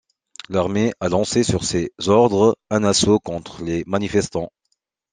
L’armée a lancé sur ses ordres un assaut contre les manifestants.